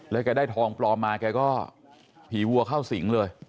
แล้วแกได้ทองปลอมมาแกก็ผีวัวเข้าสิงเลย